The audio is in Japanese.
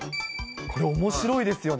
これ、おもしろいですよね。